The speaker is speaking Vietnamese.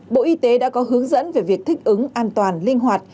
bộ y tế đã có hướng dẫn về việc thích ứng an toàn linh hoạt